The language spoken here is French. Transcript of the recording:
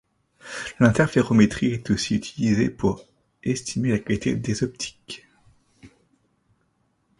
L'interférométrie est aussi utilisée pour estimer la qualité des optiques.